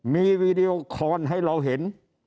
มีวีดีโอคอนให้เราเห็น